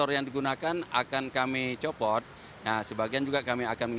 undang undang nomor dua puluh dua tahun dua ribu sembilan